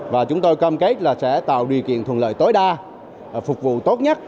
và chúng tôi cam kết là sẽ tạo điều kiện thuận lợi tối đa phục vụ tốt nhất